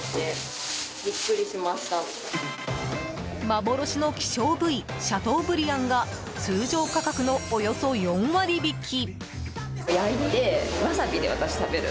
幻の希少部位シャトーブリアンが通常価格のおよそ４割引き。